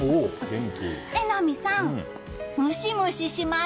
榎並さん、ムシムシします。